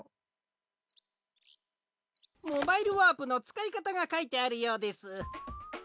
モバイルワープのつかいかたがかいてあるようです。